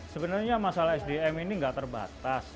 sebenarnya masalah sdm ini nggak terbatas